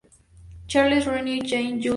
Charles, Rennie, Sean, Julius y Mrs.